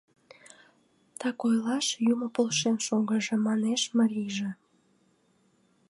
Так ойлаш, юмо полшен шогыжо, — манеш марийже.